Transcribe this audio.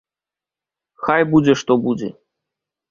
Хай будзе што будзе!